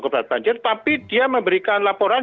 korban banjir tapi dia memberikan laporan